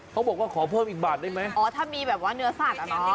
เขาบอกว่าขอเพิ่มอีกบาทได้ไหมอ๋อถ้ามีแบบว่าเนื้อสัตว์อ่ะเนอะ